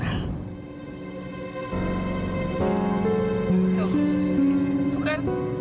tuh tuh kan